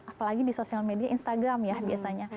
apalagi di sosial media instagram ya biasanya